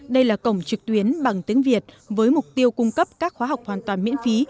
đây là cổng trực tuyến bằng tiếng việt với mục tiêu cung cấp các khóa học hoàn toàn miễn phí